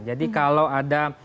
jadi kalau ada